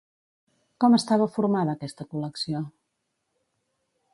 Com estava formada aquesta col·lecció?